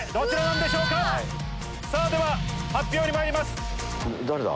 では発表にまいります。